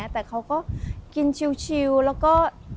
แต่เขาก็กินชิลแล้วก็